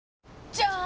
じゃーん！